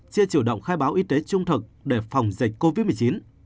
chưa chủ động khai báo y tế trung thực để phòng dịch covid một mươi chín